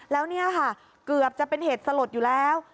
แล้วเนี่ยค่ะเกือบจะเป็นเหตุสลดอยู่แล้ว